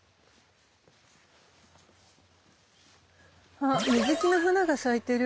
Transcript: あっミズキの花が咲いてる。